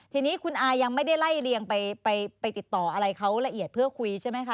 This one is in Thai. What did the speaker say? ทีนี้คุณอายังไม่ได้ไล่เรียงไปติดต่ออะไรเขาละเอียดเพื่อคุยใช่ไหมคะ